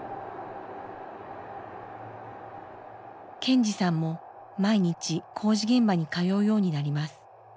賢二さんも毎日工事現場に通うようになります。